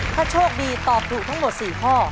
ถ้าโชคดีตอบถูกทั้งหมด๔ข้อ